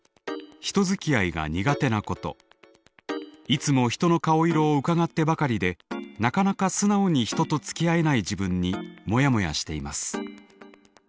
いつも人の顔色をうかがってばかりでなかなか素直に人とつきあえない自分にモヤモヤしています。